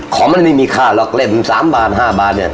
ของมันไม่มีค่าหรอกเล่ม๓บาท๕บาทเนี่ย